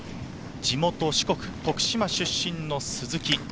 地元・四国、徳島出身の鈴木。